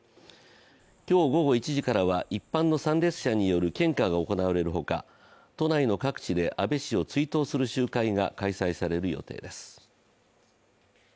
今日午後１時からは一般の参列者による献花が行われるほか都内の各地で安倍氏を追悼する集会が開催される予定です。